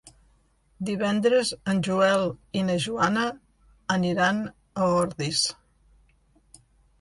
Divendres en Joel i na Joana aniran a Ordis.